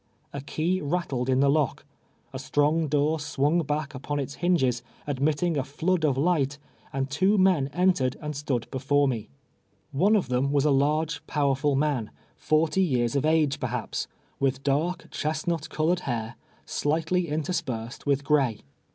A key rattled in the lock — a strong door swung back upon its hinges, admitting a Hood of light, and two men entered and stood l)efore mo. One of them Avas a large, powerful man, forty years of age, perhaps, BUKCII, THE SL^iVE DE.U.EK. 41 ■\vitli (lark, clicshint col(5red liaii", slightly interspersed Avitb gray.